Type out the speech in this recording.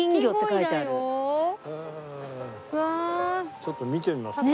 ちょっと見てみますか。